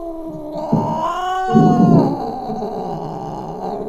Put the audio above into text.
kutokuwa salama kwa vizazi vijavyo Hatua zilizoratibiwa za kupunguza uchafuzi wa hewa n